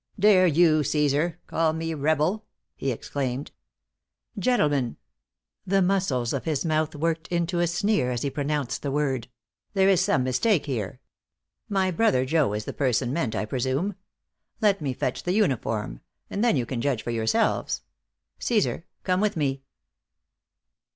"Dare you, Cæsar, call me rebel?" he exclaimed. "Gentlemen" the muscles of his mouth worked into a sneer as he pronounced the word "there is some mistake here. My brother Joe is the person meant, I presume. Let me fetch the uniform; and then you can judge for yourselves. Cæsar, come with me."